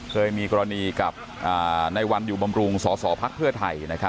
เคยมีกรณีกับในวันอยู่บำรุงสสพักเพื่อไทย